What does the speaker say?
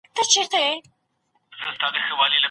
تاسې بايد خپلې وړتيا وکاروئ.